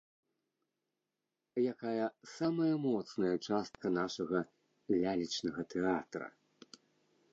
Якая самая моцная частка нашага лялечнага тэатра?